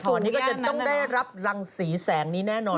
ส่วนนี้ก็จะต้องได้รับรังสีแสงนี้แน่นอน